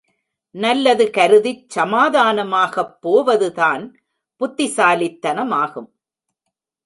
நல்லது கருதிச் சமாதானமாகப் போவதுதான் புத்திசாலித் தனமாகும்.